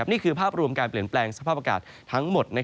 นี่คือภาพรวมการเปลี่ยนแปลงสภาพอากาศทั้งหมด